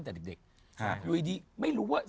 แต่เด็กอยู่ดีไม่รู้ว่า